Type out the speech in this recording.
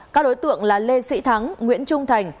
các đối tượng là lê sĩ thắng nguyễn trung thành